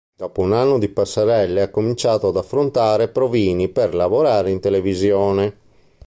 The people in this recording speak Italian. Dopo un anno di passerelle ha cominciato ad affrontare provini per lavorare in televisione.